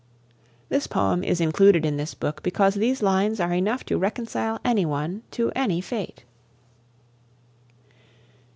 This poem is included in this book because these lines are enough to reconcile any one to any fate.